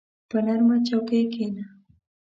په نرمه چوکۍ کښېنه.